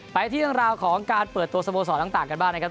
ไปที่เรื่องราวของการเปิดตัวสโมสรต่างกันบ้างนะครับ